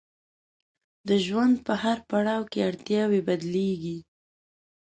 د ژوند په هر پړاو کې اړتیاوې بدلیږي.